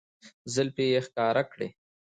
زلفې يې ښکاره کړې